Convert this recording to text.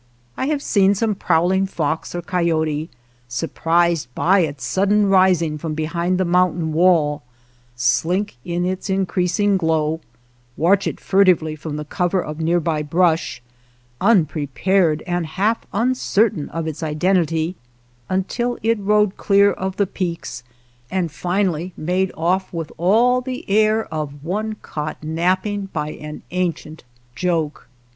I have seen some prowling fox or coyote, surprised by its sudden rising from behind the mountain wall, slink in its increasing glow, watch it 32 WATER TRAILS OF THE CERISO furtively from the cover of near by brush, unprepared and half uncertain of its identity until it rode clear of the peaks, and finally make off with all the air of one caught nap ping by an ancient joke.